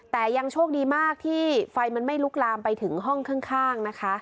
แต่ยังโชคดีมากที่ไฟมันไม่ลุกลามไปถึงห้องข้างนะคะ